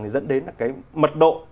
thì dẫn đến là cái mật độ